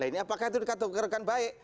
nah ini apakah itu dikatakan rekan baik